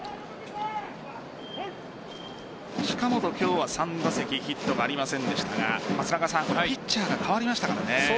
近本、今日は３打席ヒットがありませんでしたがピッチャーが代わりましたからね。